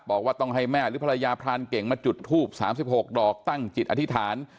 บอกว่าต้องให้แม่หรือภรรยาพรานเก่งมาจุดทูบ๓๖ดอกตั้งจิตอธิษฐาน